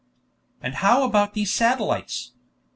"And how about these satellites?